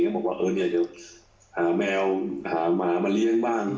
บอกว่าเดี๋ยวหาแมวหามาเลี้ยงบ้าง